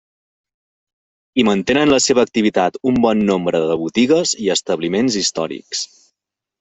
Hi mantenen la seva activitat un bon nombre de botigues i establiments històrics.